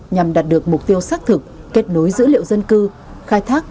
nhằm đạt được mục tiêu xác thực kết nối dữ liệu dân cư khai thác